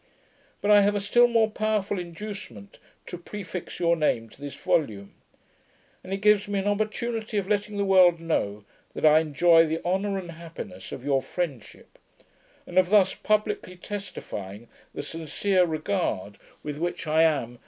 But I have a still more powerful inducement to prefix your name to this volume, as it gives me an opportunity of letting the world know that I enjoy the honour and happiness of your friendship; and of thus publickly testifying the sincere regard with which I am.